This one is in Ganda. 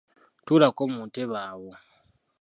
Tuulako mu ntebe awo.